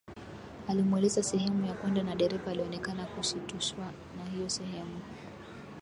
Alimueleza sehemu ya kwenda na dereva alionekana kushitushwa na hiyo sehemu